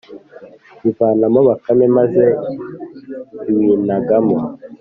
ivanamo bakame, maze iwinagamo